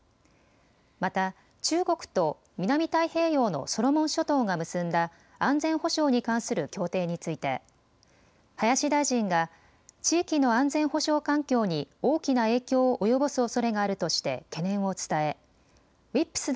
また中国と南太平洋のソロモン諸島が結んだ安全保障に関する協定について林大臣が地域の安全保障環境に大きな影響を及ぼすおそれがあるとして懸念を伝えウィップス